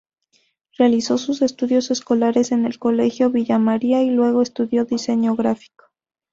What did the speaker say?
Realizó sus estudios escolares en el Colegio Villa María y luego estudió Diseño gráfico.